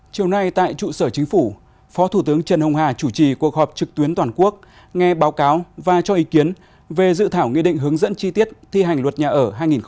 chiều nay tại trụ sở chính phủ phó thủ tướng trần hồng hà chủ trì cuộc họp trực tuyến toàn quốc nghe báo cáo và cho ý kiến về dự thảo nghị định hướng dẫn chi tiết thi hành luật nhà ở hai nghìn một mươi chín